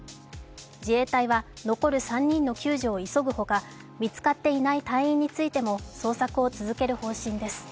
自衛隊は残る３人の救助を急ぐほか見つかっていない隊員についても捜索を続ける方針です。